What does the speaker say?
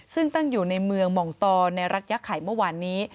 ซึ่งตั้งอยู่ในเมืองหม่องตอในรัฐยะไข่เมื่อวานนี้